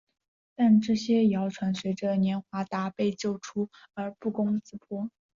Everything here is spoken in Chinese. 但这些谣传随着华年达被救出而不攻自破。